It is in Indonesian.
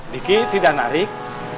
diki tidak narik